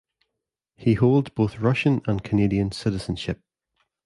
He holds both Russian and Canadian citizenship.